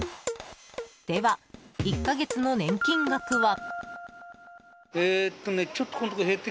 では、１か月の年金額は。